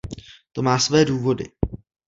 To má své důvody.